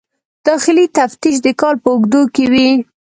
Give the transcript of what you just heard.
داخلي تفتیش د کال په اوږدو کې وي.